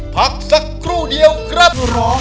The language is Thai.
ผักสักครู่เดียวครับ